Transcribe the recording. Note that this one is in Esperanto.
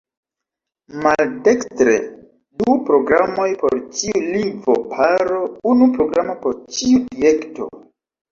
Maldekstre: Du programoj por ĉiu lingvo-paro, unu programo por ĉiu direkto.